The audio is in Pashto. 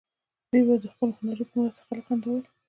دوی به د خپلو هنرونو په مرسته خلک خندول.